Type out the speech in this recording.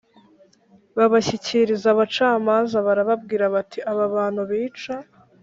Babashyikiriza abacamanza barababwira bati aba bantu bica